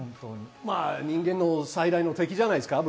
人間の最大の敵じゃないですか。